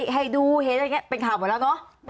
ให้ดูเห็นอะไรอย่างนี้เป็นข่าวหมดแล้วเนอะ